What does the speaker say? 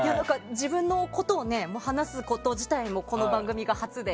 自分のことを話すこと自体この番組が初で。